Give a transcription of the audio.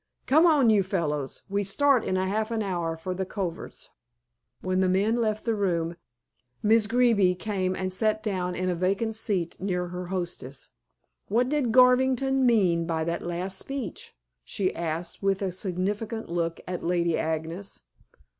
Come on, you fellows. We start in half an hour for the coverts." When the men left the room, Miss Greeby came and sat down in a vacant seat near her hostess. "What did Garvington mean by that last speech?" she asked with a significant look at Lady Agnes.